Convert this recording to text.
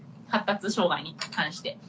発達障害に関して。